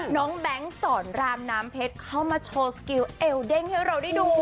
แบงค์สอนรามน้ำเพชรเข้ามาโชว์สกิลเอลเด้งให้เราได้ดู